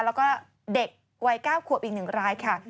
แล้วก็เด็กวัย๙ขวบอีก๑รายค่ะ